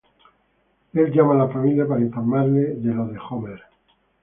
Él llama a la familia para informarles lo de Homer.